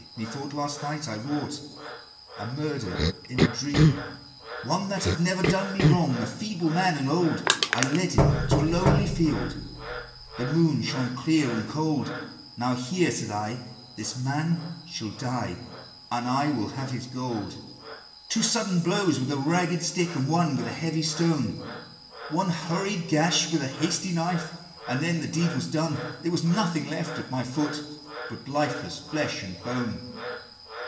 Methought, last night, I wrought A murder, in a dream!" XIV. "One that had never done me wrong A feeble man, and old; I led him to a lonely field, The moon shone clear and cold: Now here, said I, this man shall die, And I will have his gold!" XV. "Two sudden blows with a ragged stick, And one with a heavy stone, One hurried gash with a hasty knife, And then the deed was done: There was nothing lying at my foot But lifeless flesh and bone!"